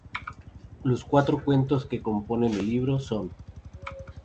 Los cuatro cuentos que componen el libro son